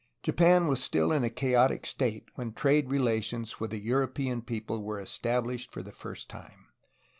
Japan was still in a chaotic state when trade relations with a European people were established for the first time.